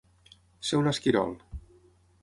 Ser un esquirol.